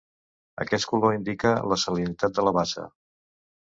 Aquest color indica la salinitat de la bassa.